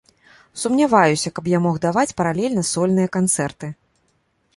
Сумняваюся, каб я мог даваць паралельна сольныя канцэрты.